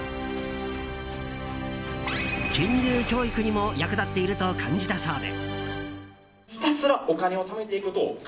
金融教育にも役立っていると感じたそうで。